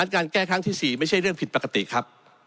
การแก้ครั้งที่๔ไม่ใช่เรื่องผิดปกติครับ